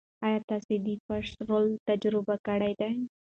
ایا تاسو د فش رول تجربه کړې ده؟